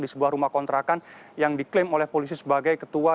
di sebuah rumah kontrakan yang diklaim oleh polisi sebagai ketua